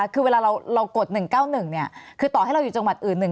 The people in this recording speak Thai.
คือเวลาเรากด๑๙๑